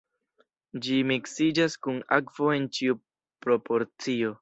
Ĝi miksiĝas kun akvo en ĉiu proporcio.